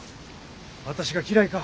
私が嫌いか？